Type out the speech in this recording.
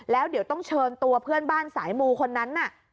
แล้วเดี๋ยวต้องเชิญตัวเพื่อนบ้านสายมูคนนั้นน่ะ